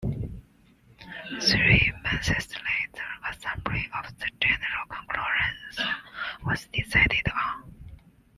Three months later, a summary of the general conclusions was decided on.